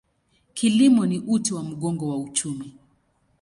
Kilimo ni uti wa mgongo wa uchumi.